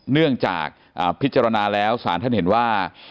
เนื่องจากพิจารณาแล้วสารท่านเห็นว่า